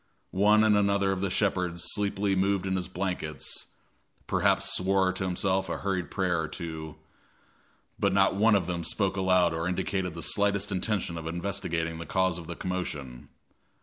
One and another of the shepherds sleepily moved in his blankets perhaps swore to himself a hurried prayer or two but not one of them spoke aloud or indicated the slightest intention of investigating the cause of the commotion.